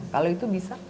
kalau itu bisa